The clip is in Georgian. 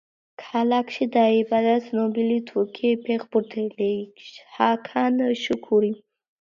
ქალაქში დაიბადა ცნობილი თურქი ფეხბურთელი ჰაქან შუქური.